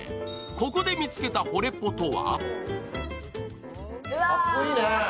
ここで見つけたホレポとは？